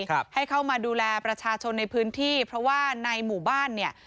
ครับให้เข้ามาดูแลประชาชนในพื้นที่เพราะว่าในหมู่บ้านเนี่ย